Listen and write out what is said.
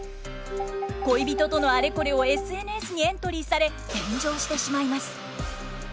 恋人とのアレコレをＳＮＳにエントリーされ炎上してしまいます。